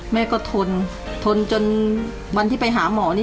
แม่ก็ทนทนจนวันที่ไปหาหมอนี่